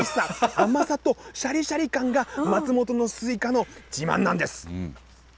甘さとしゃりしゃり感が松本のスイカの自慢なんです。